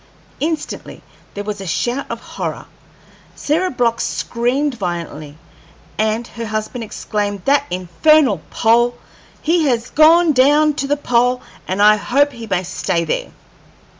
Instantly there was a shout of horror. Sarah Block screamed violently, and her husband exclaimed: "That infernal Pole! He has gone down to the pole, and I hope he may stay there!"